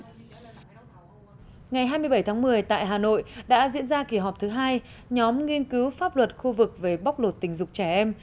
ngày hai mươi bảy tháng một mươi tại hà nội đã diễn ra kỳ họp thứ hai nhóm nghiên cứu pháp luật khu vực về bóc lột tình dục trẻ em